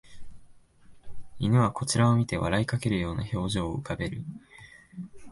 犬はこちらを見て笑いかけるような表情を浮かべる